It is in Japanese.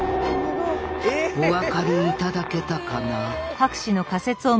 お分かりいただけたかな？